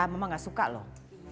mama gak suka loh